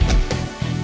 saya yang menang